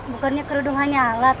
bukannya kerudung hanya alat